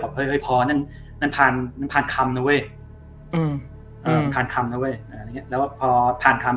พอก็นั้นนี้พาลคำนะเว้ยพอพาลคำ